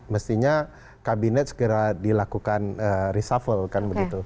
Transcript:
mestinya kabinet segera dilakukan reshuffle